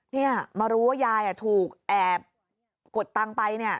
เนี่ยมารู้ว่ายายถูกแอบกดตังค์ไปเนี่ย